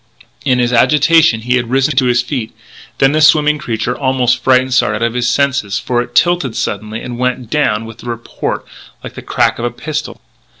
In his agitation he had risen to his feet; and then the swimming creature almost frightened Sard out of his senses, for it tilted suddenly and went down with a report like the crack of a pistol.